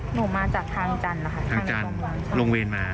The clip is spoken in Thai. หนูมาจากทางจันทร์นะคะทางจันทร์โรงเรียนมา